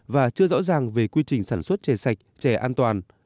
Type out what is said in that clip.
và chưa rõ ràng về quy trình sản xuất trè sạch trè an toàn